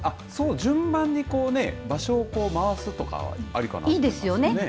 順番に行こうね、場所を回すとかはありかなと思いますよね。